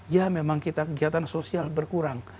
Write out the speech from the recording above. ya memang kita kegiatan sosial berkurang